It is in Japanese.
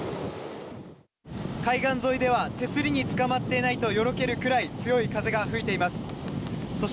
海岸沿いでは手すりにつかまっていないとよろけるくらい強い風が吹いています。